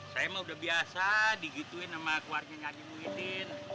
saya mah udah biasa digituin sama keluarga haji muhyiddin